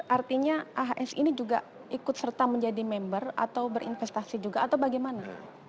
artinya ahs ini juga ikut serta menjadi member atau berinvestasi juga atau bagaimana